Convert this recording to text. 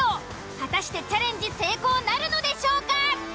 果たしてチャレンジ成功なるのでしょうか？